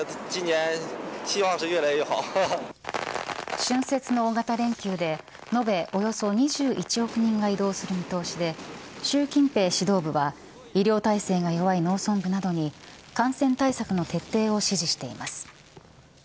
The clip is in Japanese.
春節の大型連休で延べおよそ２１億人が移動する見通しで習近平指導部は医療体制が弱い農村部などに感染対策の徹底を指示しています。